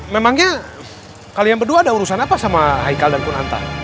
memangnya kalian berdua ada urusan apa sama haikal dan punanta